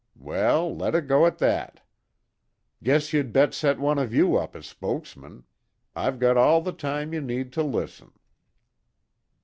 Well, let it go at that. Guess you'd best set one of you up as spokesman. I've got all the time you need to listen."